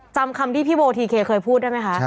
จำคำที่พี่โบทีเคเคยพูดได้ไหมคะ